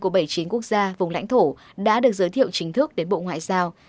của bảy mươi chín quốc gia vùng lãnh thổ đã được giới thiệu chính thức đến bộ ngoại giao